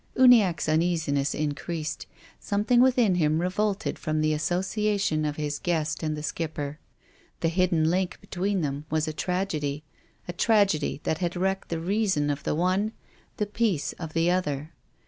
Uniacke's uneasiness increased. Something within him revolted from the association of his guest and the Skipper. The hidden link between THE GRAVE. 83 them was a tragedy, a tragedy that had wrecked the reason of the one, the peace of the other.